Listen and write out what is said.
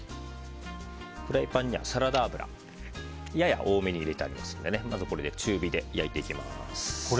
フライパンにはサラダ油やや多めに入れてありますのでまず、これで中火で焼いていきます。